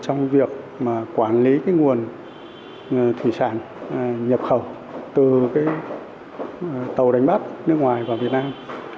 trong việc quản lý nguồn thủy sản nhập khẩu từ tàu đánh bắt nước ngoài vào việt nam